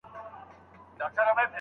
د مقالې سرلیک نه اړول کېږي.